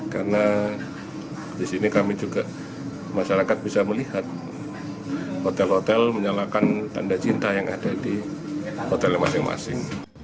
karena di sini kami juga masyarakat bisa melihat hotel hotel menyalakan tanda cinta yang ada di hotel masing masing